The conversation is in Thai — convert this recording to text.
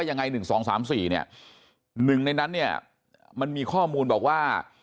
ยังไง๑๒๓๔เนี่ยหนึ่งในนั้นเนี่ยมันมีข้อมูลบอกว่า